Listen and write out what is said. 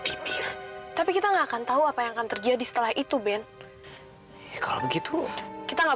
tipe tapi kita nggak akan tahu apa yang akan terjadi setelah itu ben kalau begitu kita nggak